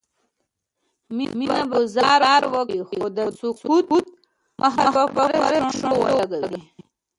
مينه به ګذاره وکړي خو د سکوت مهر به پر شونډو ولګوي